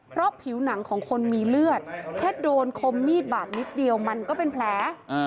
เพราะผิวหนังของคนมีเลือดแค่โดนคมมีดบาดนิดเดียวมันก็เป็นแผล